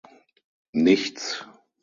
Nichts!